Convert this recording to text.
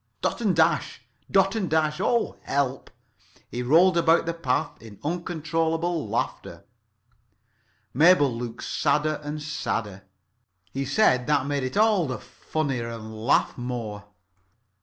Dot and Dash! Dot and Dash! Oh, help!" He rolled about the path in uncontrollable laughter. Mabel looked sadder and sadder. He said that made it all the funnier, and laughed more.